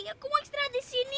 aku mau istirahat di sini